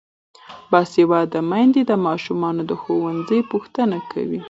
باسواده میندې د ماشومانو د ښوونځي پوښتنه کوي.